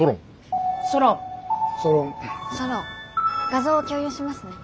画像を共有しますね。